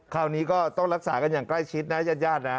คราวนี้ก็ต้องรักษากันอย่างใกล้ชิดนะญาติญาตินะ